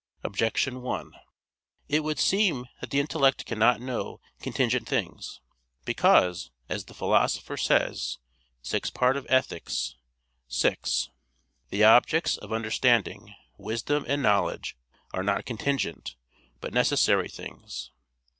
Objection 1: It would seem that the intellect cannot know contingent things: because, as the Philosopher says (Ethic. vi, 6), the objects of understanding, wisdom and knowledge are not contingent, but necessary things.